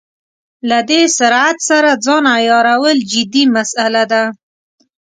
له دې سرعت سره ځان عیارول جدي مساله ده.